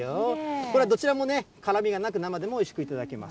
これ、どちらもね、辛みがなく、生でもおいしく頂けます。